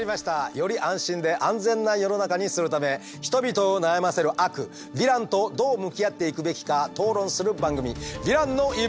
より安心で安全な世の中にするため人々を悩ませる悪ヴィランとどう向き合っていくべきか討論する番組「ヴィランの言い分」。